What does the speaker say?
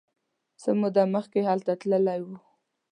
څه موده مخکې هلته تللی و.